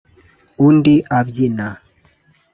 undi abyina